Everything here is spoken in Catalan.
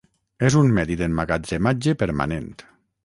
És un medi d'emmagatzematge permanent.